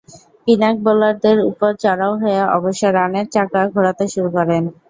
পিনাক বোলারদের ওপর চড়াও হয়ে অবশ্য রানের চাকা ঘোরাতে শুরু করেন।